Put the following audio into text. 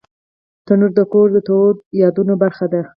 تنور د کور د تودو یادونو برخه ده